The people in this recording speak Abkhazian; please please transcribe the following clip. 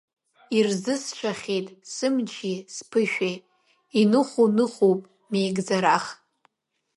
Ирзысшахьеит сымчи сԥышәеи, иныху ныхуп меигӡарах.